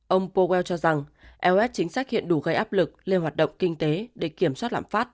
ông powell cho rằng es chính sách hiện đủ gây áp lực lên hoạt động kinh tế để kiểm soát lãm phát